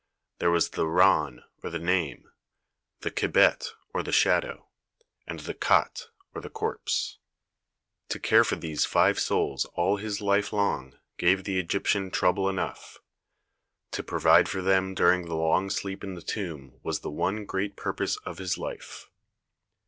There was the ran or the name, the khibet or the shadow, and the khat or the corpse. To care for these five souls all his life long gave the Egyptian trouble enough; to provide for them during the long sleep in the tomb was the one great purpose of his life.